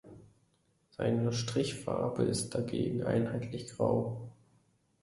Seine Strichfarbe ist dagegen einheitlich grau.